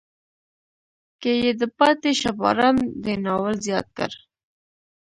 کې یې د پاتې شه باران دی ناول زیات کړ.